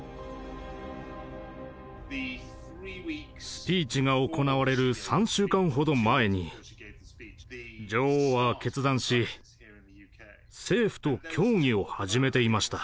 スピーチが行われる３週間ほど前に女王は決断し政府と協議を始めていました。